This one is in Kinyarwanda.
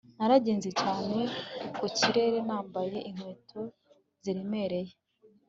Naragenze cyane ku kirere nambaye inkweto ziremereye